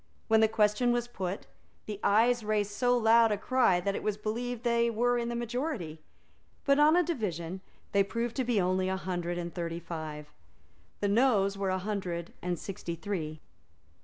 When the question was put, the Ayes raised so loud a cry that it was believed that they were the majority; but on a division they proved to be only a hundred and thirty five. The Noes were a hundred and sixty three.